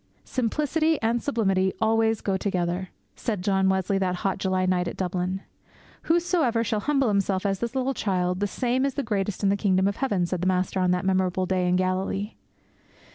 'Simplicity and sublimity always go together!' said John Wesley that hot July night at Dublin. 'Whosoever shall humble himself as this little child, the same is the greatest in the kingdom of heaven!' said the Master on that memorable day in Galilee.